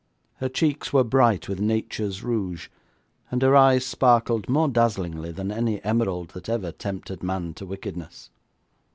Her cheeks were bright with Nature's rouge, and her eyes sparkled more dazzlingly than any emerald that ever tempted man to wickedness.